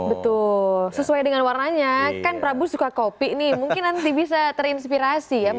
betul sesuai dengan warnanya kan prabu suka kopi nih mungkin nanti bisa terinspirasi ya